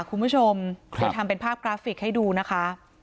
คุณผู้ชมเราทำเป็นภาพกราฟิกให้ดูนะคะ